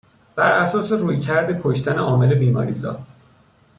بر اساس رویکرد کشتن عامل بیماریزا